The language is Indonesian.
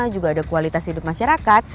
juga ada kualitas hidup masyarakat